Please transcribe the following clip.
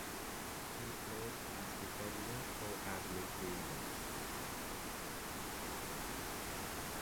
He played as defender or as midfielder.